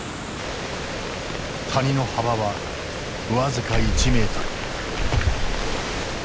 谷の幅は僅か１ｍ。